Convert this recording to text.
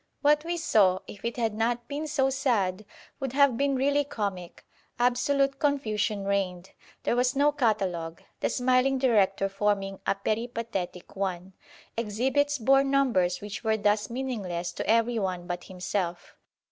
What we saw, if it had not been so sad, would have been really comic. Absolute confusion reigned. There was no catalogue, the smiling director forming a peripatetic one. Exhibits bore numbers which were thus meaningless to every one but himself.